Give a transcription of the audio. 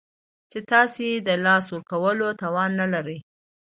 چې تاسو یې د لاسه ورکولو توان نلرئ